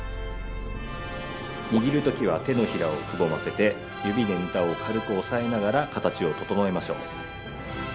握る時は手のひらをくぼませて指でネタを軽く押さえながら形を整えましょう。